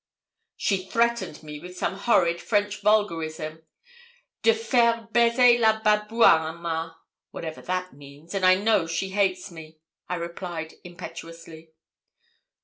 'She threatened me with some horrid French vulgarism de faire baiser le babouin à moi, whatever that means; and I know she hates me,' I replied, impetuously.